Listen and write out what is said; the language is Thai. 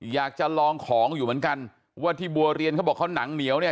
อยากจะลองของอยู่เหมือนกันว่าที่บัวเรียนเขาบอกเขาหนังเหนียวเนี่ย